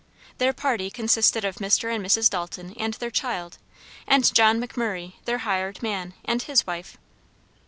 Their party consisted of Mr. and Mrs. Dalton and their child, and John McMurray, their hired man, and his wife.